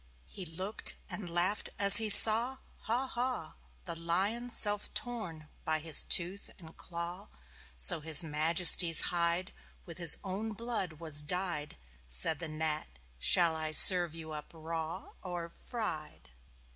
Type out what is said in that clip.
He looked and laughed as he saw Haw, Haw! The Lion self torn by his tooth and claw, So His Majesty's hide With his own blood was dyed. Said the Gnat: "Shall I serve you up raw Or fried?"